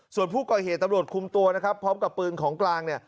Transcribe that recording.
ส่วนผู้ก่อเหตุตำรวจคุมตัวนะครับพร้อมกับปืนของกลางเนี่ย